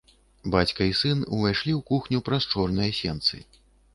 Бацька і сын увайшлі ў кухню праз чорныя сенцы.